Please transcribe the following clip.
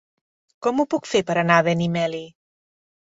Com ho puc fer per anar a Benimeli?